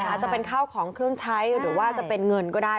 อาจจะเป็นข้าวของเครื่องใช้หรือว่าจะเป็นเงินก็ได้